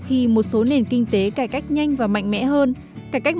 khi một doanh nghiệp không làm tốt lắm